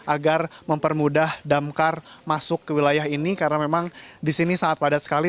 agar mempermudah damkar masuk ke wilayah ini karena memang di sini sangat padat sekali